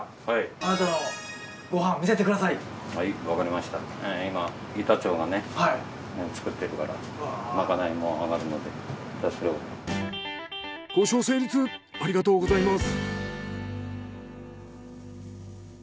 ありがとうございます。